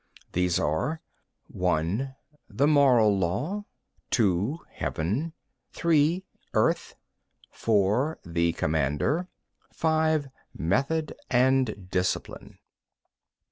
4. These are: (1) The Moral Law; (2) Heaven; (3) Earth; (4) The Commander; (5) Method and discipline.